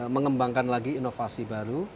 mengembangkan lagi inovasi baru